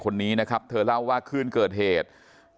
คนนี้นะครับเธอเล่าว่าคืนเกิดเหตุ